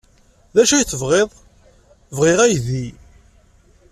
D acu ay tebɣiḍ? Bɣiɣ aydi.